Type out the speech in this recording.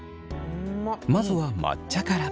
まずは抹茶から。